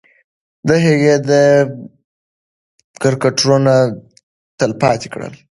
هغې کرکټرونه تلپاتې کړل.